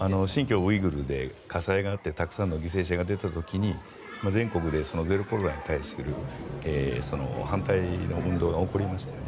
ウイグルで火災があってたくさんの犠牲者が出た時に全国でゼロコロナに対する反対の運動が起こりましたよね。